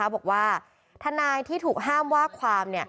บอกว่าทนายที่ถูกห้ามว่าความ